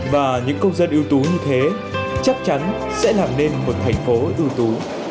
và những công dân ưu tú như thế chắc chắn sẽ làm nên một thành phố ưu tú